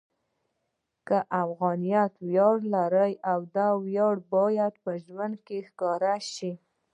که افغانیت ویاړ لري، دا ویاړ باید په ژوند کې ښکاره شي.